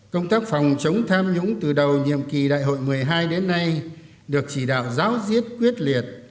công tác phòng chống tham nhũng từ đầu nhiệm kỳ đại hội một mươi hai đến nay được chỉ đạo giáo diết quyết liệt